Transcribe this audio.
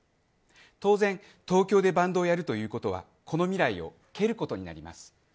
当然、東京でバンドをやるということはこの未来を蹴ることになります。